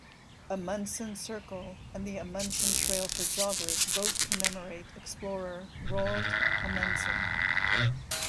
Amundsen Circle and the Amundsen Trail for joggers both commemorate explorer Roald Amundsen.